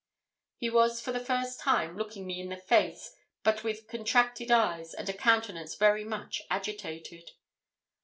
He was, for the first time, looking me in the face, but with contracted eyes, and a countenance very much agitated.